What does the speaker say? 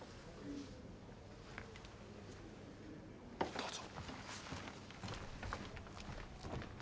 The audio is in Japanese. どうぞ。